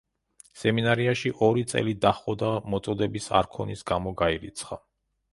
სემინარიაში ორი წელი დაჰყო და „მოწოდების არქონის“ გამო გაირიცხა.